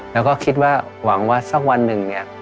แล้วก็คิดว่าหวังว่าสักวันหนึ่งเนี่ย